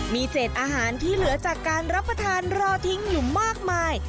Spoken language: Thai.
มีเศษอาหารที่เหลือจากการรับประทานรอทิ้งอยู่มากมาย